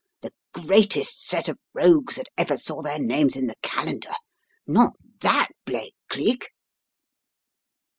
The greatest set of rogues that ever saw their names in the calendar. Not that Blake, Cleek?